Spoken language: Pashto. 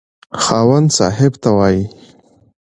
خاوند صاحب ته وايي.